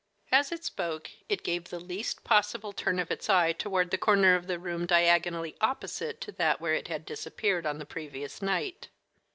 As it spoke, it gave the least possible turn of its eye toward the corner of the room diagonally opposite to that where it had disappeared on the previous night.